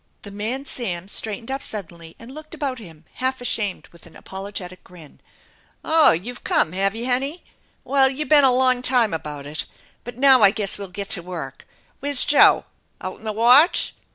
The man Sam straightened up suddenly and looked about him half ashamed with an apologetic grin :" Oh, you've come, have you, Hennie ? Well, you been a If 274 THE ENCHANTED BARN long time about it! But now I guess we'll get to work Where's Joe? Out on the watch?